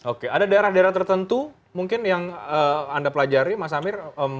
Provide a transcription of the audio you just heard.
oke ada daerah daerah tertentu mungkin yang anda pelajari mas amir